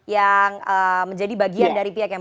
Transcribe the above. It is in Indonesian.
yang menjadi bagian dari pihak yang